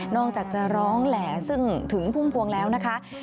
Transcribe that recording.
อกจากจะร้องแหล่ซึ่งถึงพุ่มพวงแล้วนะคะ